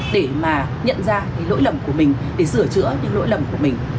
để mà nhận ra lỗi lầm của mình để sửa chữa những lỗi lầm của mình